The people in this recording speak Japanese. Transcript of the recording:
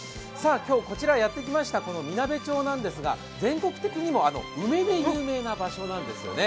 今日、こちらやってきましたみなべ町なんですが全国的にも梅で有名な場所なんですね。